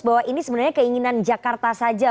bahwa ini sebenarnya keinginan jakarta saja